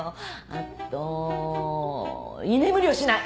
あと居眠りをしない。